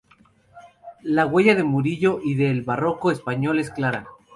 La huella de Murillo y de todo el Barroco español es clara.